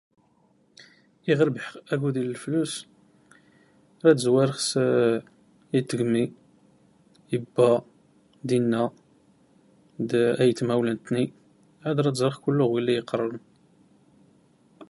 Igh rbe7 agoudi nlflouss radzwargh s ayt tigmi ibba d inna d ait ma oulantni 3ad radzregh ghwili 9erebn